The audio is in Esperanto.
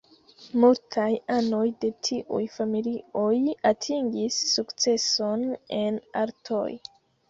Multaj anoj de tiuj familioj atingis sukceson en artoj.